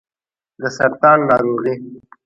د سرطان ناروغي